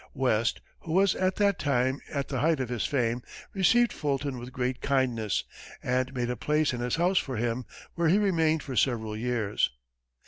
West, who was at that time at the height of his fame, received Fulton with great kindness, and made a place in his house for him, where he remained for several years.